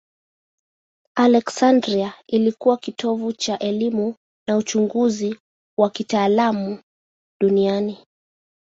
Aleksandria ilikuwa kitovu cha elimu na uchunguzi wa kitaalamu duniani.